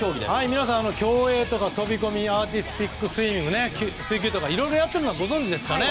皆さん、競泳や飛込アーティスティックスイミング水球とかいろいろやっているのはご存じですかね。